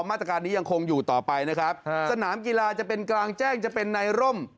มาตรการนี้ยังคงอยู่ต่อไปนะครับสนามกีฬาจะเป็นกลางแจ้งจะเป็นในร่ม